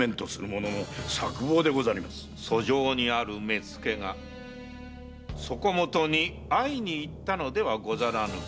訴状にある目付がそこもとに会いに行ったのではござらぬか？